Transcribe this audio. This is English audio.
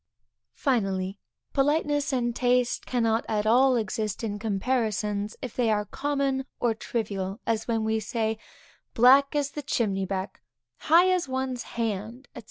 Finally, politeness and taste cannot at all exist in comparisons, if they are common or trivial, as when we say, black as the chimney back, high as one's hand, &c.